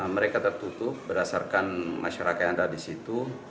mereka tertutup berdasarkan masyarakat yang ada di situ